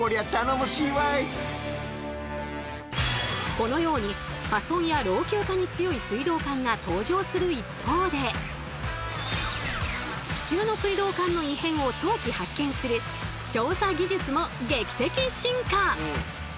このように破損や老朽化に強い水道管が登場する一方で地中の水道管の異変を早期発見する調査技術も劇的進化！